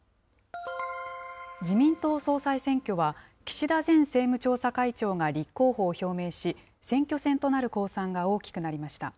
自民党総裁選挙は、岸田前政務調査会長が立候補を表明し、選挙戦となる公算が大きくなりました。